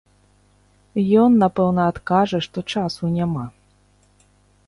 Ён, напэўна, адкажа, што часу няма.